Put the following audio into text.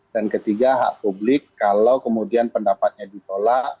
dan ketiga hak publik kalau kemudian pendapatnya ditolak